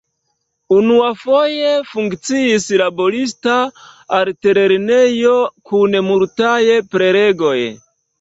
Unuafoje funkciis laborista altlernejo, kun multaj prelegoj.